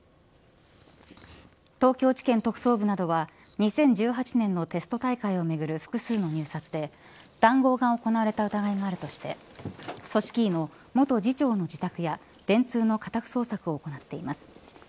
東京地検特捜部などは２０１８年のテスト大会をめぐる複数の入札で談合が行われた疑いがあるとして組織委の元次長の自宅や電通の家宅捜索を行っています。